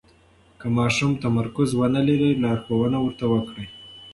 که ماشوم تمرکز ونلري، لارښوونه ورته وکړئ.